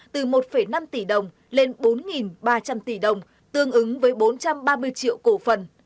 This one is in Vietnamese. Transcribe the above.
từ một năm tỷ đồng lên bốn ba trăm linh tỷ đồng tương ứng với bốn trăm ba mươi triệu cổ phần